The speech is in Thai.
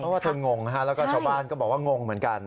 เพราะว่าเธองงนะฮะแล้วก็ชาวบ้านก็บอกว่างงเหมือนกัน